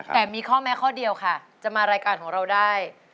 แต่มีข้อแม้ข้อเดียวค่ะจะมารายการของเราได้